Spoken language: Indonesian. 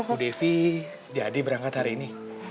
bu devi jadi berangkat hari ini